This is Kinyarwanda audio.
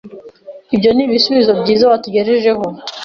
Ibyo nibisubizo byiza watugejejeho.